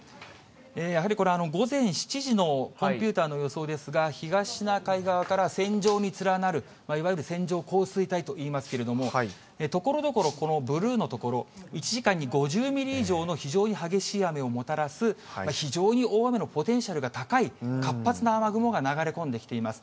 やはり午前７時のコンピューターの予想なんですが、東シナ海側から線状に連なるいわゆる線状降水帯といいますけれども、ところどころブルーの所、１時間に５０ミリ以上の非常に激しい雨をもたらす非常に大雨のポテンシャルが高い活発な雨雲が流れ込んできています。